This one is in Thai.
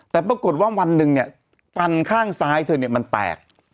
แต่ปรากฏว่าวันหนึ่งเนี่ยฟันข้างซ้ายเธอเนี่ยมันแตก